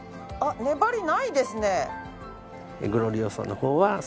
粘りないですね。